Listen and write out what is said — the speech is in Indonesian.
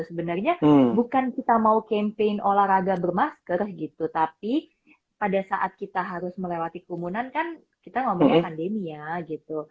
sebenarnya bukan kita mau campaign olahraga bermasker gitu tapi pada saat kita harus melewati kerumunan kan kita ngomongnya pandemi ya gitu